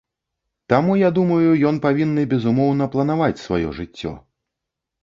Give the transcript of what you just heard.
Таму я думаю, ён павінны, безумоўна, планаваць сваё жыццё.